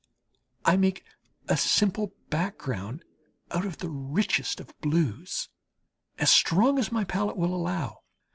I make a simple background out of the richest of blues, as strong as my palette will allow.